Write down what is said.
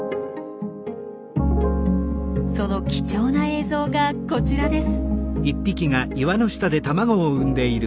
その貴重な映像がこちらです。